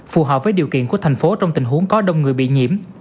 phù hợp với điều kiện của thành phố trong tình huống có đông người bị nhiễm